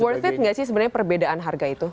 worth it gak sih sebenarnya perbedaan harga itu